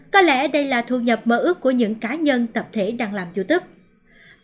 có lẽ đây là thu nhập mơ ước của những cá nhân tập thể đang làm youtube